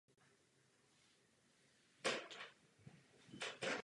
Celé Horní Počernice mají dnes jedno společné katastrální území i řadu popisných čísel.